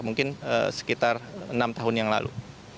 mungkin sekitar enam tahun yang lalu